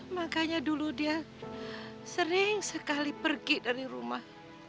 makanya dulu dia sering sekali pergi dari rumah